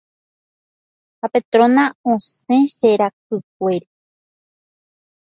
ha Petrona osẽ che rakykuéri.